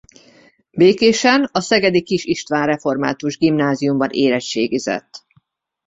Békésen a Szegedi Kis István Református Gimnáziumban érettségizett.